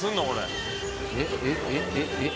えっえっえっ。